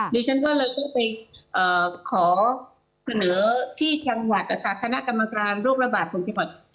ดิฉันก็เลยไปขอเสนอที่จังหวัดคณะกรรมการรูประบาดฝนที่๑๑